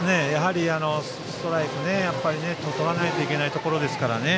ストライクをとらないといけないところですからね。